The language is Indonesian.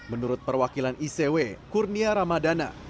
menurut perwakilan icw kurnia ramadana